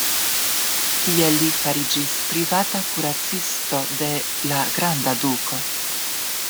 Tie li fariĝis privata kuracisto de la granda duko.